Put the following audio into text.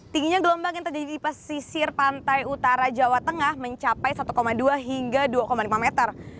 tingginya gelombang yang terjadi di pesisir pantai utara jawa tengah mencapai satu dua hingga dua lima meter